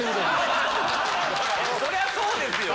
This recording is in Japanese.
そりゃそうですよ。